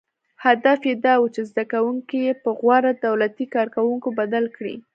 • هدف یې دا و، چې زدهکوونکي یې په غوره دولتي کارکوونکو بدل کړي.